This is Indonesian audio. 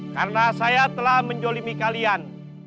karena saya telah menjolimi kalian